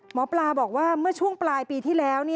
หมอปลาบอกว่าเมื่อช่วงปลายปีที่แล้ว